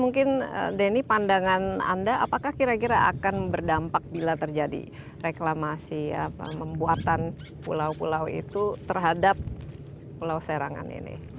mungkin denny pandangan anda apakah kira kira akan berdampak bila terjadi reklamasi membuatan pulau pulau itu terhadap pulau serangan ini